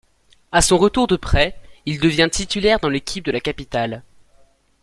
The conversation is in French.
À son retour de prêt, il devient titulaire dans l'équipe de la Capitale.